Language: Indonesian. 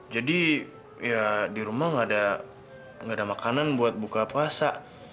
jadi ya di rumah nggak ada nggak ada makanan buat buka puasa